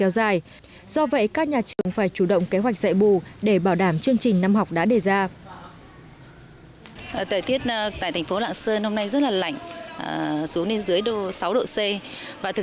kéo dài do vậy các nhà trường phải chủ động kế hoạch dạy bù để bảo đảm chương trình năm học đã đề ra